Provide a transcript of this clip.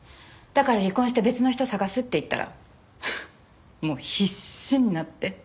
だから離婚して別の人探すって言ったらもう必死になって。